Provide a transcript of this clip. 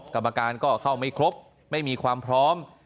กรรมการก็เข้าไม่ครบไม่มีความพร้อม